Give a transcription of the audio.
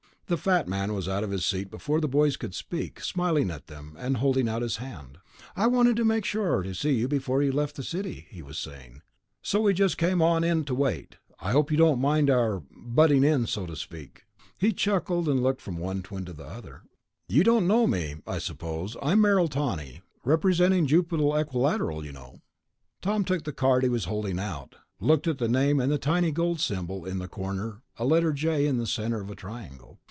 The fat man was out of his seat before the boys could speak, smiling at them and holding out his hand. "I wanted to be sure to see you before you left the city," he was saying, "so we just came on in to wait. I hope you don't mind our ... butting in, so to speak." He chuckled, looking from one twin to the other. "You don't know me, I suppose. I'm Merrill Tawney. Representing Jupiter Equilateral, you know." Tom took the card he was holding out, looked at the name and the tiny gold symbol in the corner, a letter "J" in the center of a triangle.